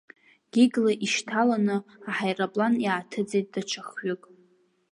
Гигла ишьҭаланы аҳаирплан иааҭыҵит даҽа хҩык.